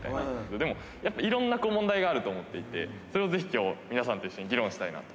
でもやっぱいろんな問題があると思っていて、それをぜひきょう、皆さんと議論したいなと。